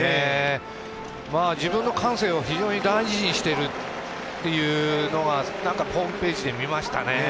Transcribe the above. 自分の感性を非常に大事にしているというのをホームページで見ましたね。